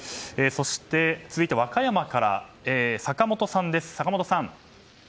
そして、続いて和歌山から坂元さん。